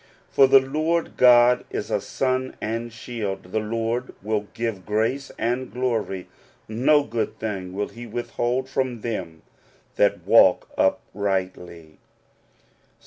For the Lord God is a sun and shield : the Lord will give grace and glory : no good thing will he withhold from them that walk uprightly" (Ps.